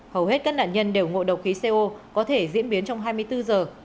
hầu hết các nạn nhân đều ngộ độc khí co có thể diễn biến trong hai mươi bốn giờ